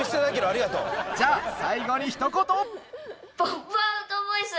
じゃあ最後にひと言。